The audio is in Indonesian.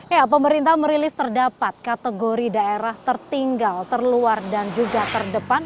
ya pemerintah merilis terdapat kategori daerah tertinggal terluar dan juga terdepan